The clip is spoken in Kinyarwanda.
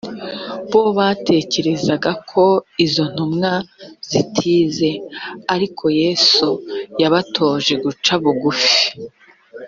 bo batekerezaga ko izo ntumwa zitize ariko yesu yabatoje guca bugufi